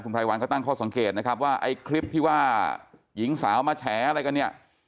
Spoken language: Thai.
ไพรวัลเขาตั้งข้อสังเกตนะครับว่าไอ้คลิปที่ว่าหญิงสาวมาแฉอะไรกันเนี่ย